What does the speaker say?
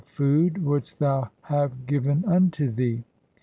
"food wouldst thou have given unto thee?'